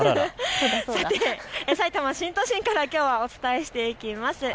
さて、さいたま新都心からお伝えしていきます。